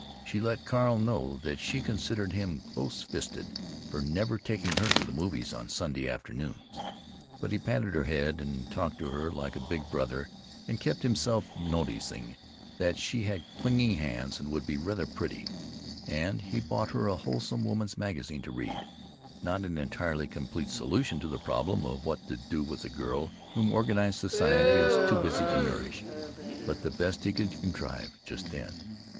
She let Carl know that she considered him close fisted for never taking her to the movies on Sunday afternoons, but he patted her head and talked to her like a big brother and kept himself from noticing that she had clinging hands and would be rather pretty, and he bought her a wholesome woman's magazine to read—not an entirely complete solution to the problem of what to do with the girl whom organized society is too busy to nourish, but the best he could contrive just then.